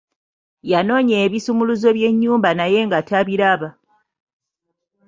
Yanoonya ebisumuluzo by'ennyumba naye nga tabiraba.